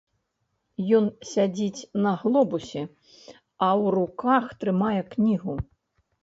Ён сядзіць на глобусе, а ў руках трымае кнігу.